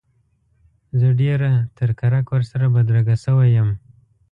زه ډېره تر کرک ورسره بدرګه شوی یم.